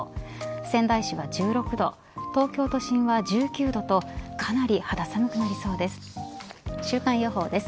仙台市は１６度東京都心は１９度とかなり肌寒くなりそうです。